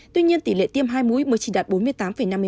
tuy nhiên tỷ lệ tiêm hai mũi mới chỉ đạt bốn mươi tám năm mươi sáu